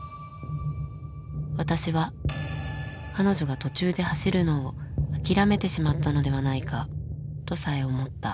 私は彼女が途中で走るのを諦めてしまったのではないかとさえ思った。